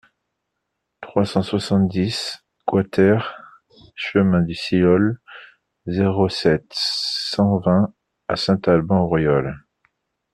trois cent soixante-dix QUATER chemin du Silhol, zéro sept, cent vingt à Saint-Alban-Auriolles